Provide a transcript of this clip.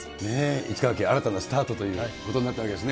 市川家新たなスタートとなったわけですね。